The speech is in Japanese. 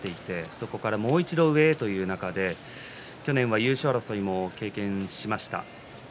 そこから、もう一度上へという中で去年は優勝争いも経験しました。